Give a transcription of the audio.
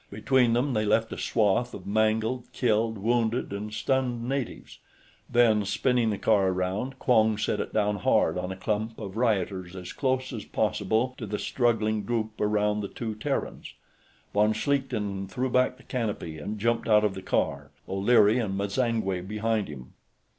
Between them, they left a swath of mangled, killed, wounded, and stunned natives. Then, spinning the car around, Quong set it down hard on a clump of rioters as close as possible to the struggling group around the two Terrans. Von Schlichten threw back the canopy and jumped out of the car, O'Leary and M'zangwe behind him.